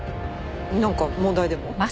なんか問題でも？